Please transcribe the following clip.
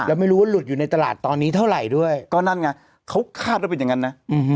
แล้วไม่รู้ว่าหลุดอยู่ในตลาดตอนนี้เท่าไหร่ด้วยก็นั่นไงเขาคาดว่าเป็นอย่างนั้นนะ